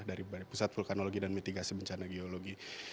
dari pusat vulkanologi dan mitigasi bencana geologi